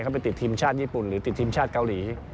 ไปติดทีมชาติญี่ปุ่นหรือติดทีมชาติเกาหลี